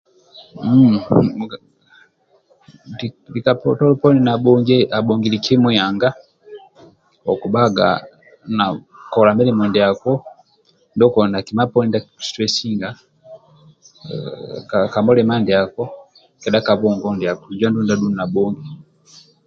Mmmm mug lika tolo poni nabhongi abhongili kimui nanga okubhanga na kola mulimo ndiako ndio koli na kima poni ndia akuku situresinga ka mulima ndiako kedha ka bhongo ndiako injo andulu ndia adhu nabhongi